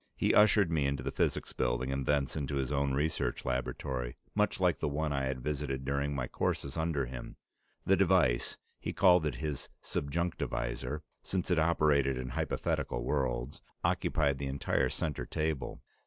He ushered me into the Physics Building, and thence into his own research laboratory, much like the one I had visited during my courses under him. The device he called it his "subjunctivisor," since it operated in hypothetical worlds occupied the entire center table.